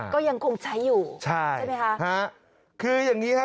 ก็ยังคงใช้อยู่ใช่ใช่ไหมคะฮะคืออย่างงี้ครับ